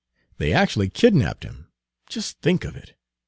They actually kidnaped him just think of it!